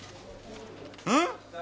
うん⁉